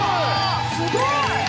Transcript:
すごい！